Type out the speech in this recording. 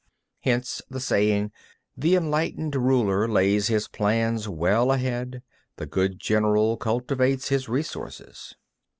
16. Hence the saying: The enlightened ruler lays his plans well ahead; the good general cultivates his resources.